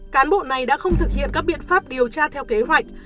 cán bộ này đã không thực hiện các biện pháp điều tra theo kế hoạch